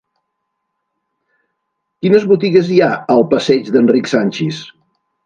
Quines botigues hi ha al passeig d'Enric Sanchis?